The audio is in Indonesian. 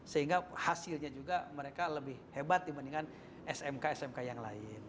sehingga hasilnya juga mereka lebih hebat dibandingkan smk smk yang lain